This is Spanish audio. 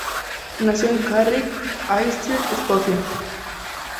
Nació en Carrick, Ayrshire, Escocia.